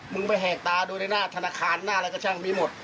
มึงไปแหกตาดูในหน้าธนาคารหน้าอะไรก็ช่างมีหมด